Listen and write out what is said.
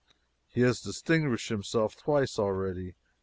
He has distinguished himself twice already.